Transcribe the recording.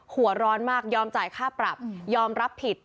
หัวร้อนมากยอมจ่ายค่าปรับยอมรับผิด